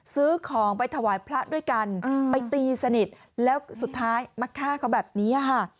ซื้อของไปถวายพระด้วยกันไปตีสนิทแล้วสุดท้ายมาฆ่าเขาแบบนี้ค่ะ